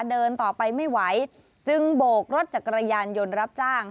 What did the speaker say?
เดินต่อไปไม่ไหวจึงโบกรถจักรยานยนต์รับจ้าง